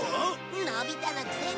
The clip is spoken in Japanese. のび太のくせに！